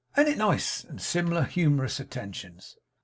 'An't it nice?' and similar humorous attentions.